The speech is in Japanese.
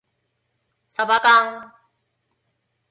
さばかん